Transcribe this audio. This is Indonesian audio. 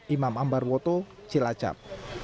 imam ambar woto cilacap